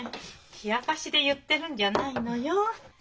冷やかしで言ってるんじゃないのよ。